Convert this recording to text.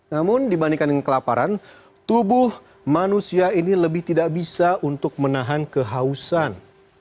namun dibandingkan dengan kelaparan tubuh manusia ini lebih tidak bisa untuk menahan kehausan